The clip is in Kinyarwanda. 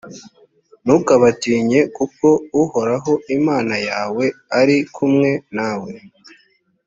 ntukabatinye, kuko uhoraho imana yawe ari kumwe nawe,